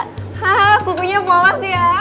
hah kukunya polos ya